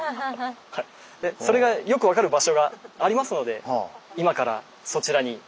それがよく分かる場所がありますので今からそちらに行きたいと思います。